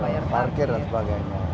iya parkir dan sebagainya